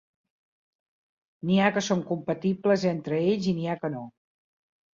N'hi ha que són compatibles entre ells i n'hi ha que no.